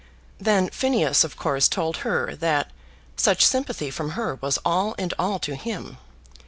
Then Phineas of course told her that such sympathy from her was all and all to him.